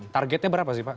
targetnya berapa sih pak